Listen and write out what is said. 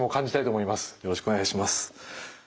よろしくお願いします。